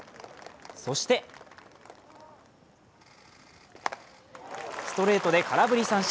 そして、ストレートで空振り三振。